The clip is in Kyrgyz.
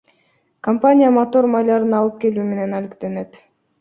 Компания мотор майларын алып келүү менен алектенет.